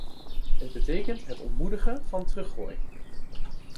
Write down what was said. Het betekent het ontmoedigen van teruggooi.